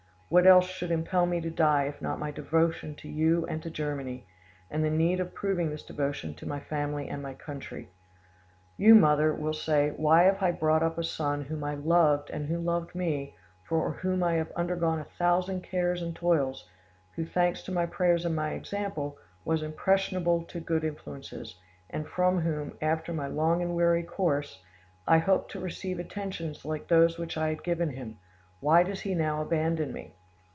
What else should impel me to die if not my devotion to you and to Germany, and the need of proving this devotion to my family and my country? "You, mother, will say, 'Why have I brought up a son whom I loved and who loved me, for whom I have undergone a thousand cares and toils, who, thanks to my prayers and my example, was impressionable to good influences, and from whom, after my long and weary course, I hoped to receive attentions like those which I have given him? Why does he now abandon me?